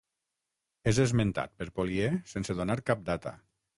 És esmentat per Poliè sense donar cap data.